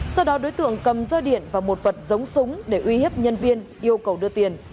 sau đó đối tượng cầm roi điện và một vật giống súng để uy hiếp nhân viên yêu cầu đưa tiền